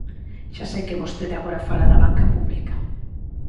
Xa sei que vostede agora fala da banca pública.